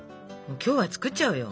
今日は作っちゃおうよ。